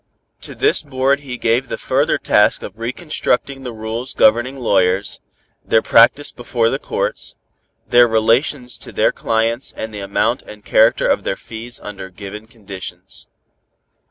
To this board he gave the further task of reconstructing the rules governing lawyers, their practice before the courts, their relations to their clients and the amount and character of their fees under given conditions.